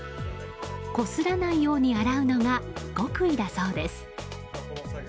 こすらないように洗うのが極意だそうです。